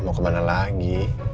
mau kemana lagi